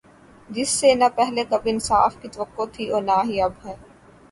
جس سے نا پہلے کبھی انصاف کی توقع تھی اور نا ہی اب ہے